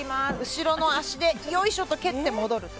後ろの足でよいしょと蹴って戻る。